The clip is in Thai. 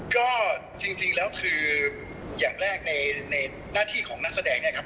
ก็จริงแล้วคืออย่างแรกในหน้าที่ของนักแสดงเนี่ยครับ